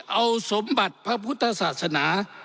เอาสมบัติพระพุทธศาสนา